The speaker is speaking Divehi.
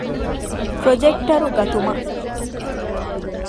ޕްރޮޖެކްޓަރު ގަތުމަށް